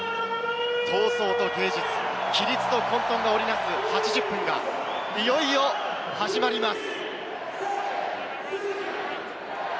闘争と芸術、規律と混沌が織りなす、８０分がいよいよ始まります。